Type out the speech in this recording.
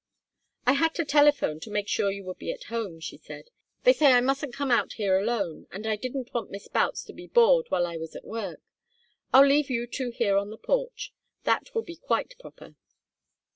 "I had to telephone to make sure you would be at home," she said. "They say I mustn't come out here alone, and I didn't want Miss Boutts to be bored while I was at work. I'll leave you two here on the porch. That will be quite proper."